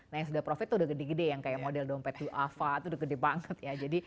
nah yang sudah profit itu sudah gede gede yang kayak model dompet ava itu sudah gede banget ya